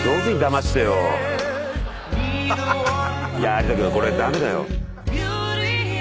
有田君これ駄目だよ。